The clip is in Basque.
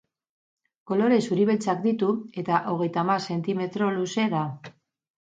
Kolore zuri-beltzak ditu eta hogeita hamar zentimetro luze da.